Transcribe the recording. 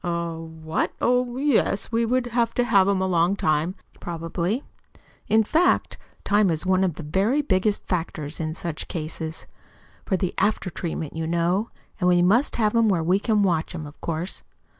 "Eh? What? Oh, yes, we would have to have him a long time, probably. In fact, time is one of the very biggest factors in such cases for the after treatment, you know. And we must have him where we can watch him, of course."